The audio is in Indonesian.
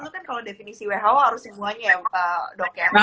kan kalau definisi who harus semuanya ya dok ya